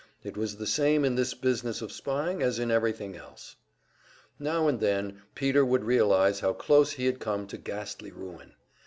It was the same in this business of spying as in everything else. Now and then Peter would realize how close he had come to ghastly ruin.